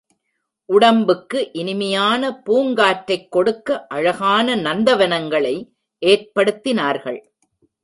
உடம்புக்கு இனிமையான பூங்காற்றைக் கொடுக்க அழகான நந்தவனங்களை ஏற்படுத்தினார்கள்.